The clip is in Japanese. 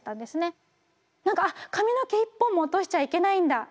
何か「あっ髪の毛１本も落としちゃいけないんだ。